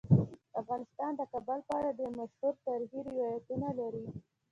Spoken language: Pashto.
افغانستان د کابل په اړه ډیر مشهور تاریخی روایتونه لري.